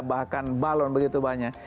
bahkan balon begitu banyak